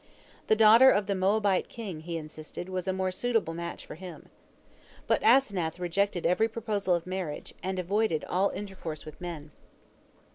The daughter of the Moabite king, he insisted, was a more suitable match for him. But Asenath rejected every proposal of marriage, and avoided all intercourse with men.